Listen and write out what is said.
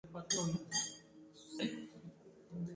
Su cráter está totalmente desaparecido.